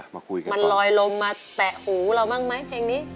มันลอยลงมาแตะหูเราบ้างมั้ยเพลงนี้